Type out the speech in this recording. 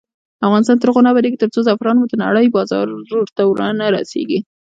افغانستان تر هغو نه ابادیږي، ترڅو زعفران مو د نړۍ بازار ته ونه رسیږي.